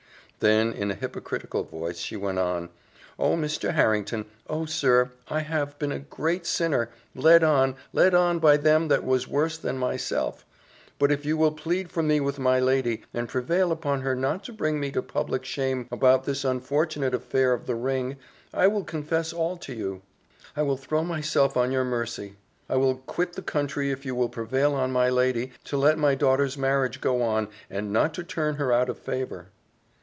Then, in a hypocritical voice, she went on "Oh, Mr. Harrington! Oh, sir, I have, been a great sinner! led on led on by them that was worse than myself; but if you will plead for me with my lady, and prevail upon her not to bring me to public shame about this unfortunate affair of the ring, I will confess all to you I will throw myself on your mercy. I will quit the country if you will prevail on my lady to let my daughter's marriage go on, and not to turn her out of favour."